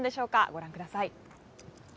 ご覧ください。